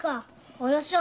およしよ